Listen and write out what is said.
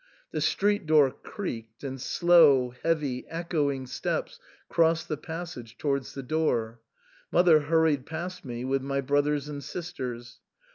The street door creaked, and slow, heavy, echoing steps crossed the passage towards the stairs. Mother hurried past me with my brothers and sisters.